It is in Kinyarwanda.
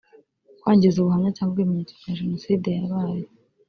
kwangiza ubuhamya cyangwa ibimenyetso bya jenoside yabaye